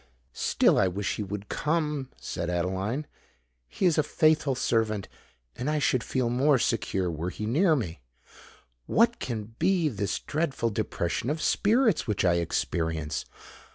"Still I wish he would come!" said Adeline. "He is a faithful servant—and I should feel more secure were he near me. What can be this dreadful depression of spirits which I experience?